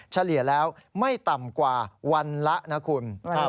เฉลี่ยแล้วไม่ต่ำกว่าวันละนะคุณ